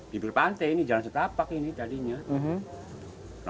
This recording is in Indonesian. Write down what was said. bibir pantai ini jalan setapak ini tadinya